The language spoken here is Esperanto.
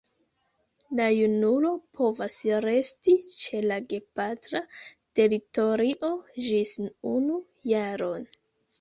La junulo povas resti ĉe la gepatra teritorio ĝis unu jaron.